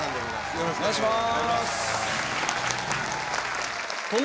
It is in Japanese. よろしくお願いします。